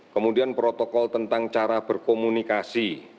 kemudian protokol tentang cara berkomunikasi